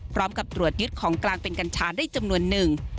พร้อมกับตรวจยึดของกลางเป็นกัญชาได้จำนวนหนึ่ง